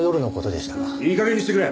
いい加減にしてくれ！